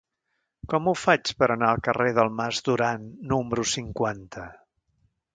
Com ho faig per anar al carrer del Mas Duran número cinquanta?